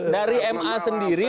dari ma sendiri